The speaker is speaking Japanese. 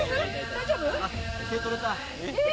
大丈夫？